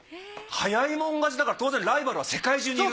早い者勝ちだから当然ライバルは世界中にいる。